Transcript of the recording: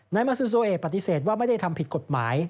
นายมาซูโซเอปฏิเสธว่าไม่ได้ทำผิดกฎหมาย